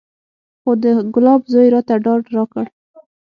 خو د ګلاب زوى راته ډاډ راکړ.